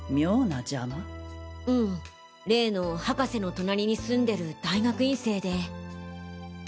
うん例の博士の隣に住んでる大学院生で。